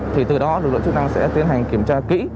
thì từ đó lực lượng chức năng sẽ tiến hành kiểm tra kỹ